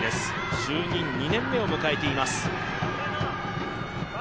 就任２年目を迎えています。